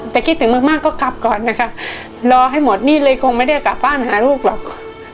แต่คิดถึงมากมากก็กลับก่อนนะคะรอให้หมดหนี้เลยคงไม่ได้กลับบ้านหาลูกหรอก